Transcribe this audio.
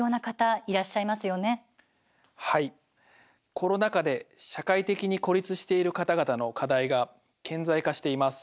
コロナ禍で社会的に孤立している方々の課題が顕在化しています。